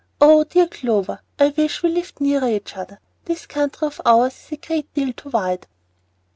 Oh dear Clover, I wish we lived nearer each other. This country of ours is a great deal too wide."